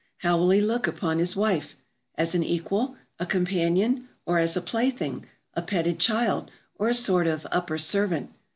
How will he look upon his wife? As an equal, a companion, or as a plaything, a petted child, or a sort of upper servant?